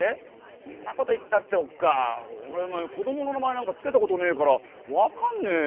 「そんなこと言ったっておっかあおれ子どもの名前なんかつけたことねえからわかんねえよ。